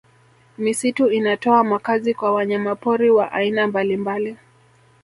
Misitu inatoa makazi kwa wanyamapori wa aina mbalimbali